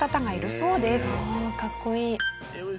おおかっこいい。